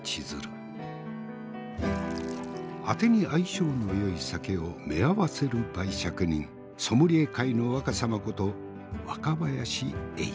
あてに相性のよい酒をめあわせる媒酌人ソムリエ界の若さまこと若林英司。